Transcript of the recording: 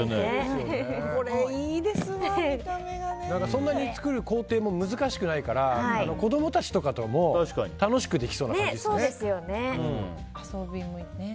そんなに作る工程も難しくないから子供たちとかとも楽しくできそうな感じですね。